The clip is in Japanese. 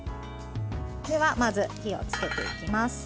では、まず火をつけていきます。